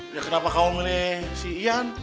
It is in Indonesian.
ya kenapa kau milih si ian